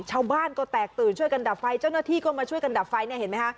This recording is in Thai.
ชาวบ้านก็แตกตื่นช่วยกันดับไฟเจ้าหน้าที่ก็มาช่วยกันดับไฟเนี่ยเห็นไหมคะ